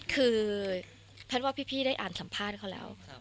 คือแพทย์ว่าพี่ได้อ่านสัมภาษณ์เขาแล้ว